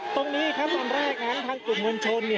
ตรงนี้ครับอันแรกนั้นทางกลุ่มมลชนเนี่ย